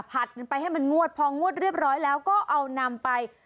กันไปให้มันงวดพองวดเรียบร้อยแล้วก็เอานำไป